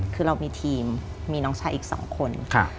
คือเรามีทีมมีน้องชายอีก๒คน